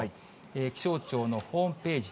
気象庁のホームページ。